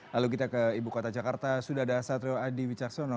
lalu kita ke ibu kota jakarta sudah ada satrio adi wicaksono